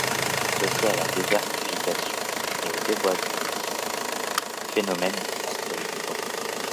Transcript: Associé à la désertification et au déboisement massif, le phénomène devient préoccupant.